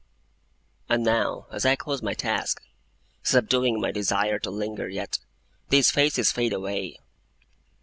And now, as I close my task, subduing my desire to linger yet, these faces fade away.